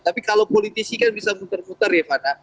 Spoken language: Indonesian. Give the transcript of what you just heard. tapi kalau politisi kan bisa putar putar ya fana